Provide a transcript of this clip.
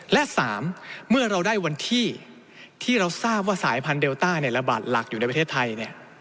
และ๓เมื่อเราได้วันที่ที่เราทราบว่าสายพันธุเดลต้าระบาดหลักอยู่ในประเทศไทย